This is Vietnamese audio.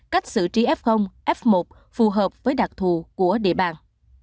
cách xử trí f f một phù hợp với đặc thù của địa bàn